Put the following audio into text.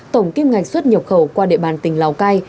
tổng kim ngạch xuất nhập khẩu qua địa bàn tỉnh lào cai